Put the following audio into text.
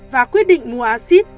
và quyết định mua axit